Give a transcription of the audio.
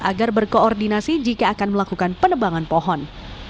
agar berkoordinasi jika akan melakukan penebangan pohon